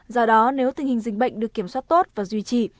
do đó nếu tình hình dịch bệnh được kiểm soát tốt và duy trì